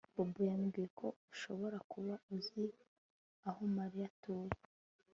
Bobo yambwiye ko ushobora kuba uzi aho Mariya atuye